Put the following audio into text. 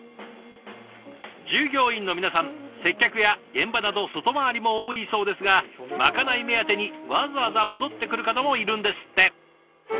従業員の皆さん接客や現場など外回りも多いそうですがまかない目当てにわざわざ戻ってくる方もいるんですって。